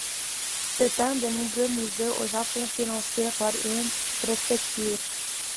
C'est un des nombreux musées au Japon financés par une préfecture.